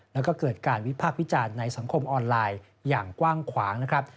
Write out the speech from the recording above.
แล้วก็เกิดการวิพากษ์วิจารณ์ในสังคมออนไลน์อย่างกว้างขวางนะครับ